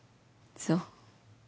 そう。